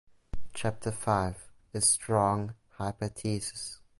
Chapter five is "Strong hypotheses".